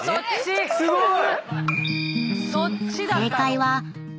すごい！